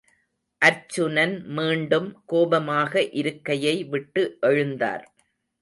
அர்ச்சுனன், மீண்டும் கோபமாக இருக்கையை விட்டு எழுந்தார்.